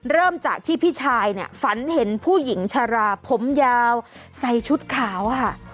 เริ่มจากที่พี่ชายเนี่ยฝันเห็นผู้หญิงชราผมยาวใส่ชุดขาวค่ะ